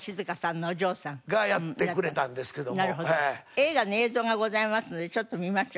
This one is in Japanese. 映画の映像がございますのでちょっと見ましょう。